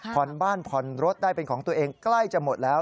ผ่อนบ้านผ่อนรถได้เป็นของตัวเองใกล้จะหมดแล้ว